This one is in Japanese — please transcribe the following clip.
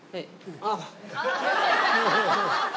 あっ。